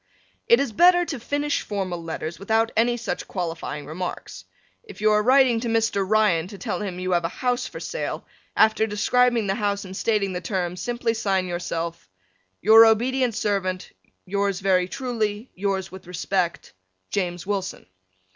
It is better to finish formal letters without any such qualifying remarks. If you are writing to Mr. Ryan to tell him that you have a house for sale, after describing the house and stating the terms simply sign yourself Your obedient Servant Yours very truly, Yours with respect, James Wilson.